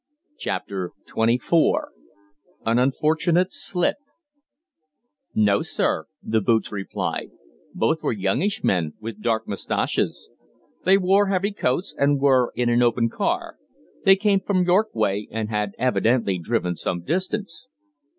CHAPTER TWENTY FOUR AN UNFORTUNATE SLIP "No, sir," the boots replied, "both were youngish men, with dark moustaches. They wore heavy coats, and were in an open car. They came from York way, and had evidently driven some distance."